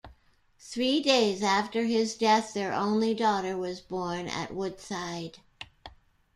Three days after his death, their only daughter was born at Woodside.